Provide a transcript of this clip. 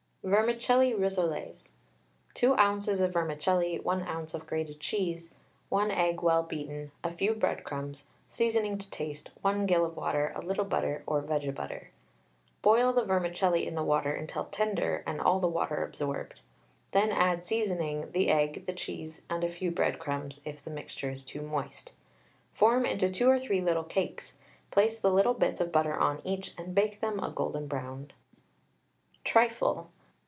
VERMICELLI RISSOLES. 2 ozs. of vermicelli, 1 oz. of grated cheese, 1 egg well beaten, a few breadcrumbs, seasoning to taste, 1 gill of water, a little butter, or vege butter. Boil the vermicelli in the water until tender and all the water absorbed. Then add seasoning, the egg, the cheese, and a few breadcrumbs, if the mixture is too moist. Form into 2 or 3 little cakes, place little bits of butter on each, and bake them a golden brown. TRIFLE.